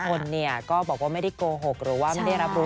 คนเนี่ยก็บอกว่าไม่ได้โกหกหรือว่าไม่ได้รับรู้